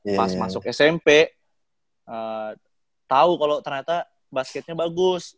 pas masuk smp tahu kalau ternyata basketnya bagus